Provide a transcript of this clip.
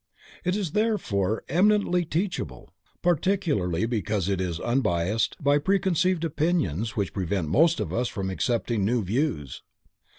It is therefore eminently teachable; particularly because it is unbiased by pre conceived opinions which prevent most of us from accepting new views.